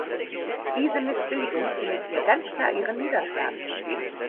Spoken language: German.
Diese Missbilligung findet hier ganz klar ihren Niederschlag.